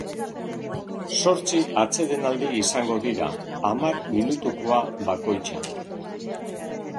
Zortzi atsedenaldi izango dira, hamar minutukoa bakoitza.